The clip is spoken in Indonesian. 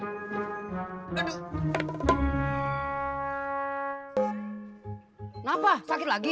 kenapa sakit lagi